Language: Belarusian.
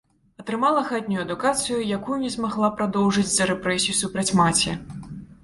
Атрымала хатнюю адукацыю, якую не змагла прадоўжыць з-за рэпрэсій супраць маці.